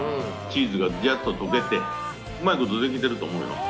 チーズがびゃっと溶けてうまいことできてると思うよ。